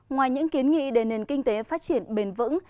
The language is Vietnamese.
ngoài những kiến nghị để nền kinh tế phát triển bền vững